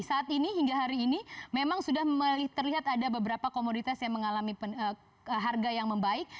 saat ini hingga hari ini memang sudah terlihat ada beberapa komoditas yang mengalami harga yang membaik